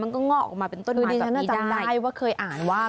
มันก็งอกออกมาเป็นต้นไม้สักทีได้คือดิฉันอาจารย์ได้ว่าเคยอ่านว่า